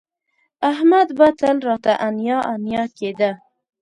احمد به تل راته انیا انیا کېده